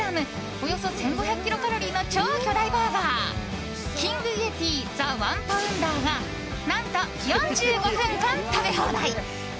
およそ１５００キロカロリーの超巨大バーガーキング・イエティザ・ワンパウンダーが何と４５分間、食べ放題。